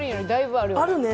あるね。